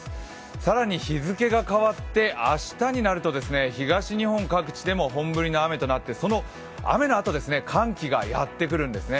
更に日付が変わって明日になると、東日本各地でも本降りの雨となってその雨のあと寒気がやってくるんですね。